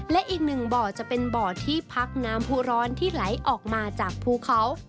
และอีกหนึ่งบ่อจะเป็นบ่อที่พักน้ำผู้ร้อนที่ไหลออกมาจากภูเขา